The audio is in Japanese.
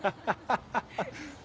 ハハハ！